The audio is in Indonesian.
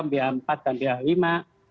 kemudian subvarian apalagi yang ada di negara kita